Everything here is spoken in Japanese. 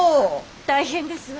大変ですわ。